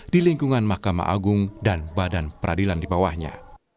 di lingkungan mahkamah agung dan badan peradilan di bawahnya